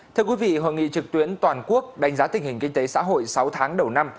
thưa quý vị hội nghị trực tuyến toàn quốc đánh giá tình hình kinh tế xã hội sáu tháng đầu năm